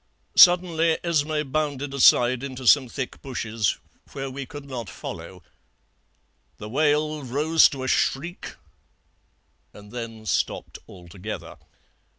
Suddenly Esmé bounded aside into some thick bushes, where we could not follow; the wail rose to a shriek and then stopped altogether.